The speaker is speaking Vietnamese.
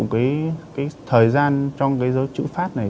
cái thời gian trong cái chữ phát này